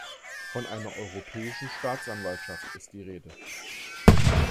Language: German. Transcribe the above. Von einer europäischen Staatsanwaltschaft ist die Rede.